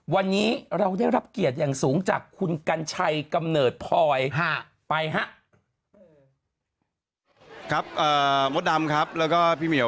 วันนี้เราได้รับเกียรติอย่างสูงจากคุณกัญชัยกำเนิดพลอยไปครับ